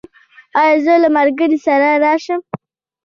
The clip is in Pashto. ایا زه له ملګري سره راشم؟